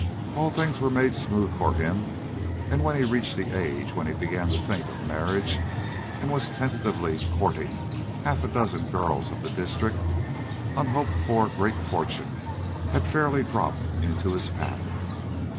All things were made smooth for him; and when he reached the age when he began to think of marriage, and was tentatively courting half a dozen girls of the district, unhoped for great fortune had fairly dropped into his path.